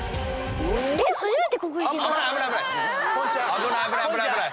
危ない危ない危ない危ない！